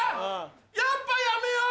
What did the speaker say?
やっぱやめよう！